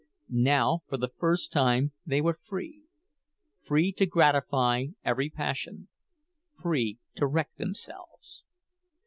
Now for the first time they were free—free to gratify every passion, free to wreck themselves.